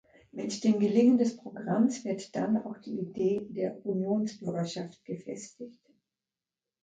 Mit dem Gelingen des Programms wird dann auch die Idee der Unionsbürgerschaft gefestigt.